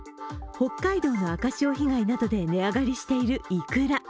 北海道の赤潮被害などで値上がりしているいくら。